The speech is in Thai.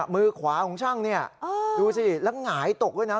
มือขวาของช่างเนี่ยดูสิแล้วหงายตกด้วยนะ